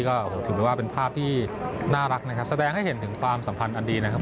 ก็ถือได้ว่าเป็นภาพที่น่ารักนะครับแสดงให้เห็นถึงความสัมพันธ์อันดีนะครับ